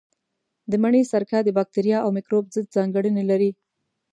د مڼې سرکه د باکتریا او مېکروب ضد ځانګړنې لري.